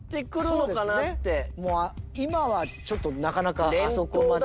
今はちょっとなかなかあそこまでね。